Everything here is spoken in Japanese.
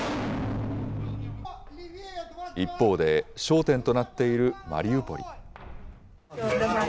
一方で、焦点となっているマリウポリ。